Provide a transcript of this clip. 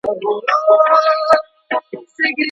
آیا په افغانستان کي د مېوو وچولو عصري وسایل سته؟.